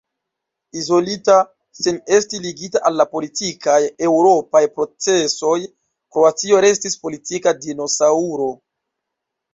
Izolita, sen esti ligita al la politikaj eŭropaj procesoj, Kroatio restis politika dinosaŭro.